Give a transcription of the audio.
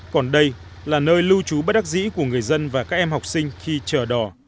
còn đây là nơi lưu trú bất đắc dĩ của người dân và các em học sinh khi chờ đò